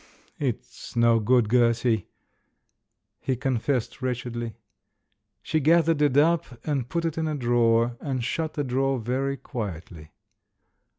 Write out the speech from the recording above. "It's no good, Gertie," he confessed wretch edly. She gathered it up, and put it in a drawer, and shut the drawer very quietly.